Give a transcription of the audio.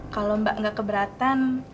kalau mbak gak keberatan